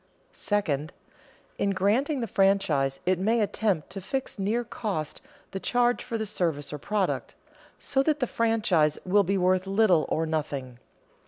Second, in granting the franchise it may attempt to fix near cost the charge for the service or product, so that the franchise will be worth little or nothing.